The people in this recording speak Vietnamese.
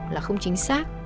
là không chính xác